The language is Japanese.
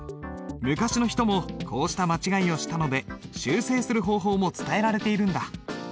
昔の人もこうした間違いをしたので修正する方法も伝えられているんだ。